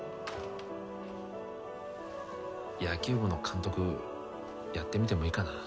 野球部の監督やってみてもいいかな？